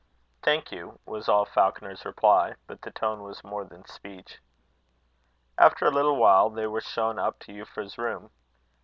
"Thank you," was all Falconer's reply; but the tone was more than speech. After a little while, they were shown up to Euphra's room.